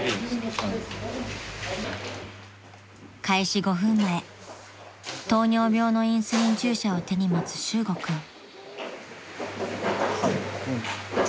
［開始５分前糖尿病のインスリン注射を手に持つ修悟君］